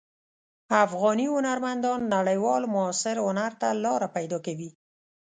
افغاني هنرمندان نړیوال معاصر هنر ته لاره پیدا کوي.